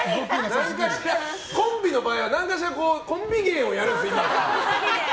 コンビの場合は何かしら、コンビ芸をやるんです。